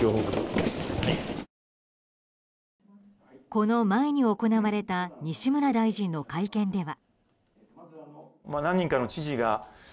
この前に行われた西村大臣の会見では。